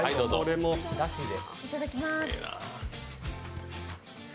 いただきまーす。